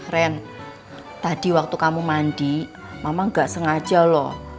ren tadi waktu kamu mandi mama nggak sengaja loh